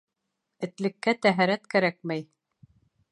Этлеккә тәһәрәт кәрәкмәй.